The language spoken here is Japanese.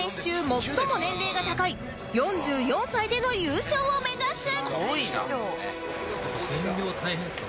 最も年齢が高い４４歳での優勝を目指す